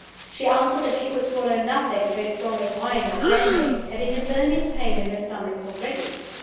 She answered that she could swallow nothing so strong as wine or brandy, having a burning pain in her stomach already.